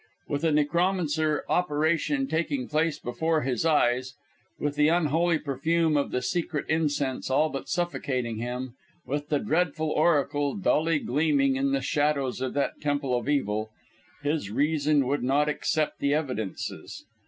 With a necromantic operation taking place before his eyes; with the unholy perfume of the secret incense all but suffocating him; with the dreadful Oracle dully gleaming in the shadows of that temple of evil his reason would not accept the evidences.